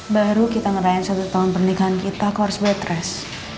baru kita ngerayain satu tahun pernikahan kita aku harus berat res